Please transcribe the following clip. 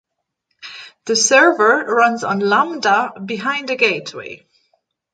The server runs on lambda behind a gateway